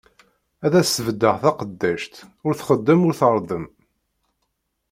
Ad as-sbeddeɣ taqeddact, ur txeddem ur treddem.